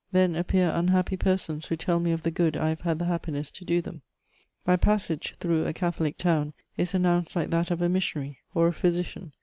Then appear unhappy persons who tell me of the good I have had the happiness to do them. My passage through a Catholic town is announced like that of a missionary or a physician.